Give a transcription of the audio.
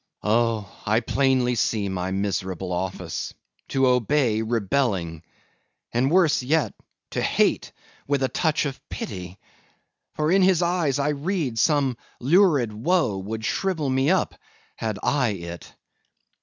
Oh! I plainly see my miserable office,—to obey, rebelling; and worse yet, to hate with touch of pity! For in his eyes I read some lurid woe would shrivel me up, had I it.